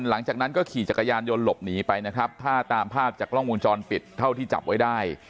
หลังจากนั้นก็ขี่จักรยานยนต์หลบหนีไปนะครับถ้าตามภาพจากกล้องวงจรปิดเท่าที่จับไว้ได้